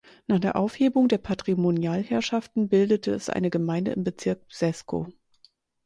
Nach der Aufhebung der Patrimonialherrschaften bildete es eine Gemeinde im Bezirk Brzesko.